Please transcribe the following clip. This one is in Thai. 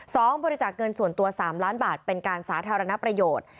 บริจาคเงินส่วนตัวสามล้านบาทเป็นการสาธารณประโยชน์